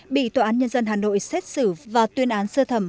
bị tòa án nhân dân hà nội xét xử và tuyên án sơ thẩm